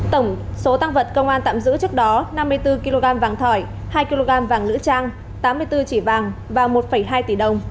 tổng số tăng vật công an tạm giữ trước đó năm mươi bốn kg vàng thỏi hai kg vàng nữ trang tám mươi bốn chỉ vàng và một hai tỷ đồng